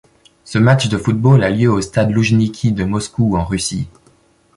Ce match de football a lieu le au stade Loujniki de Moscou, en Russie.